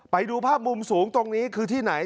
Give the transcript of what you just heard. ไปดูภาพมุมสูงตรงนี้คือที่ไหน